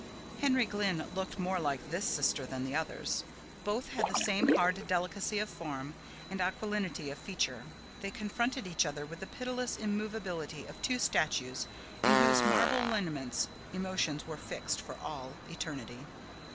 Henry Glynn looked more like this sister than the others. Both had the same hard delicacy of form and aquilinity of feature. They confronted each other with the pitiless immovability of two statues in whose marble lineaments emotions were fixed for all eternity.